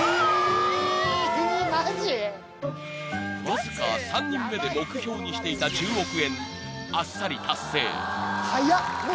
［わずか３人目で目標にしていた１０億円あっさり達成］